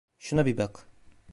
Şuna bir bak.